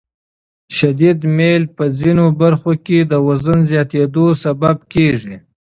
شدید میل په ځینو برخو کې د وزن زیاتېدو سبب کېږي.